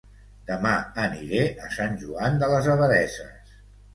Dema aniré a Sant Joan de les Abadesses